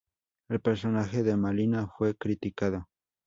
El personaje de Malina fue criticado.